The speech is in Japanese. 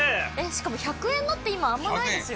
しかも１００円のって今あんまないですよ。